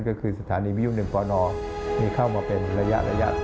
ก็คือสถานีวิยุ๑ปนมีเข้ามาเป็นระยะ